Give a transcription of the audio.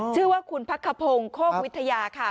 ชื่อว่าคุณพักขพงศ์โคกวิทยาค่ะ